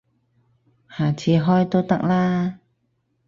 下次開都得啦